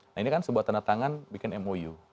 nah ini kan sebuah tanda tangan bikin mou